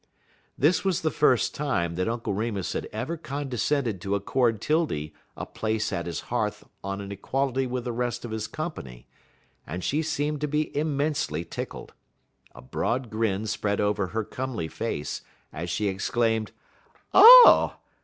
This was the first time that Uncle Remus had ever condescended to accord 'Tildy a place at his hearth on an equality with the rest of his company, and she seemed to be immensely tickled. A broad grin spread over her comely face as she exclaimed: "_Oh!